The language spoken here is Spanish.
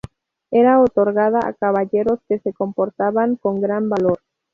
Era otorgada a caballeros que se comportaban con gran valor.